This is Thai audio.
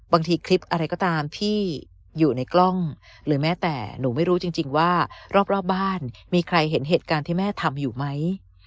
บางทีคลิปอะไรก็ตามที่อยู่ในกล้องหรือแม้แต่หนูไม่รู้จริงว่ารอบบ้านมีใครเห็นเหตุการณ์ที่แม่ทำอยู่ไหม